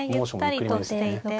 ゆったりとしていて。